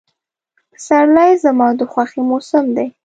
پسرلی زما د خوښې موسم دی.